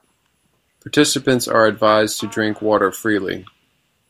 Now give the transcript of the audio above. Participants are advised to drink water freely.